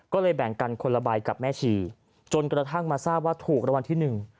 ก็เลยแบ่งกันคนละใบกับแม่ชีจนกระทั่งมาทราบว่าถูกรางวัลที่หนึ่ง